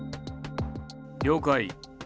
了解。